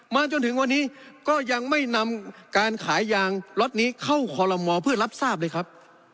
จนถึงวันนี้ก็ยังไม่นำการขายยางล็อตนี้เข้าคอลโลมอเพื่อรับทราบเลยครับ